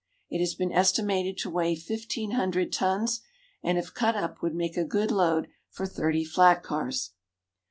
It has been estimated to weigh fifteen hundred tons and if cut up would make a good load for thirty flat cars.